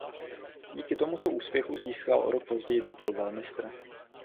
Díky tomuto úspěchu získal o rok později titul velmistra.